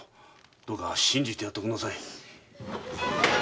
どうか信じてやっておくんなさい。